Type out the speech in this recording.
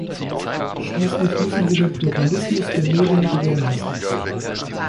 Schließlich müssen wir den Pluralismus der Medien gewährleisten.